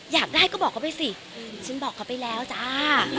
อยากได้ก็บอกเขาไปสิฉันบอกเขาไปแล้วจ้า